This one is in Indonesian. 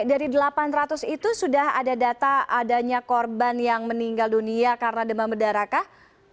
dari delapan ratus itu sudah ada data adanya korban yang meninggal dunia karena demam berdarah kah